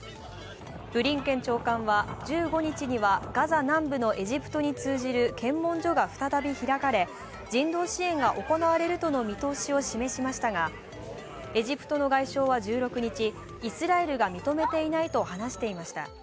ブリンケン長官は１５日にはガザ南部のエジプトに通じる検問所が再び開かれ、人道支援が行われるとの見通しを示しましたがエジプトの外相は１６日イスラエルが認めていないと話していました。